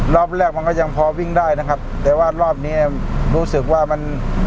รอบแรกมันก็ยังพอวิ่งได้นะครับแต่ว่ารอบเนี้ยรู้สึกว่ามัน